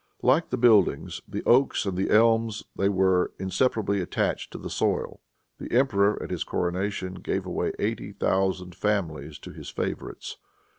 Like the buildings, the oaks and the elms, they were inseparably attached to the soil. The emperor, at his coronation, gave away eighty thousand families to his favorites.